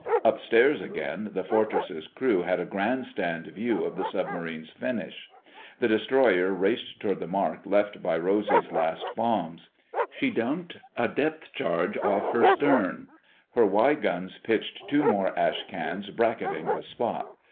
"Upstairs" again, the fortress's crew had a grandstand view of the submarine's finish. The destroyer raced toward the mark left by Rosy's last bombs. She dumped a depth charge off her stem. Her Y guns pitched two more "ash cans," bracketing the spot.